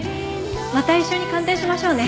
また一緒に鑑定しましょうね。